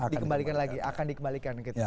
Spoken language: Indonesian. dikembalikan lagi akan dikembalikan gitu